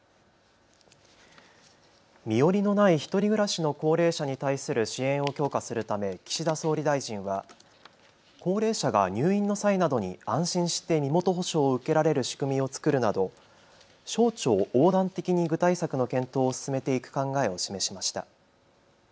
身寄りのない独り暮らしの高齢者に対する支援を強化するため岸田総理大臣は高齢者が入院の際などに安心して身元保証を受けられる仕組みを作るなど省庁横断的に具体策の検討を進めていく考えを示しました。